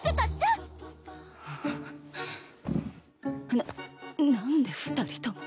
な何で二人とも